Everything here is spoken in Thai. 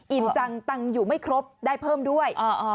อินจังตังค์อยู่ไม่ครบได้เพิ่มด้วยอ่าอ่า